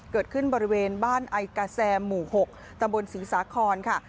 เกิดขึ้นบริเวณบ้านไอกาแซมหมู่๖ตำบลศรีสาคอนค่ะ